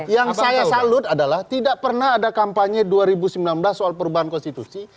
yang saya salut adalah tidak pernah ada kampanye dua ribu sembilan belas soal perubahan konstitusi